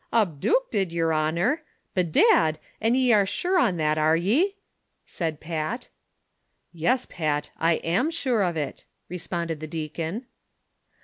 "Abdoocted, yer honor ; bedad, an' ye are shure on that, are ye ?" said Pat. " Yes, Pat, I am sure of it," responded the deacon.